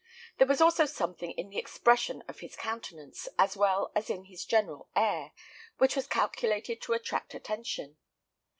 There was also something in the expression of his countenance, as well as in his general air, which was calculated to attract attention.